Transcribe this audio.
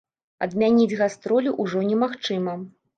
Адмяніць гастролі ўжо немагчыма.